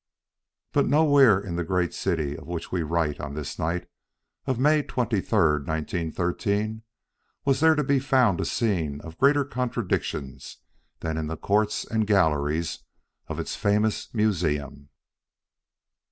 But nowhere in the great city of which we write on this night of May 23, 1913, was there to be found a scene of greater contradictions than in the court and galleries of its famous museum.